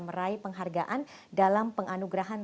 meraih penghargaan dalam penganugerahan